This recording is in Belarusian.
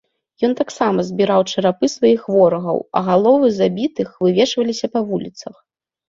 Ён таксама збіраў чарапы сваіх ворагаў, а галовы забітых вывешваліся па вуліцах.